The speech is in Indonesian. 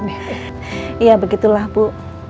iya begitulah bu